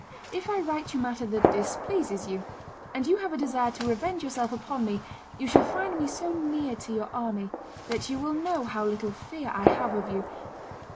... If I write you matter that displeases you, and you have a desire to revenge yourself upon me, you shall find me so near to your army that you will know how little fear I have of you.